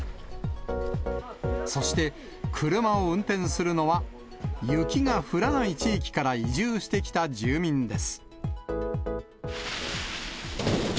そして、車を運転するのは雪が降らない地域から移住してきた住民です。